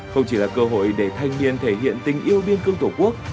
không chỉ là cơ hội để thanh niên thể hiện tình yêu biên cương tổ quốc